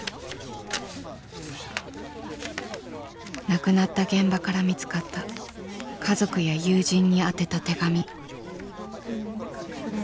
亡くなった現場から見つかった家族や友人に宛てた手紙。